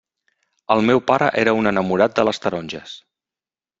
El meu pare era un enamorat de les taronges.